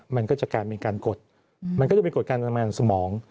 มันก็จะเป็นการกดกำลังสมอง